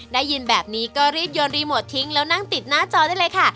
ได้ยินแบบนี้ก็รีบโยนรีโมททิ้งแล้วนั่งติดหน้าจอได้เลยค่ะ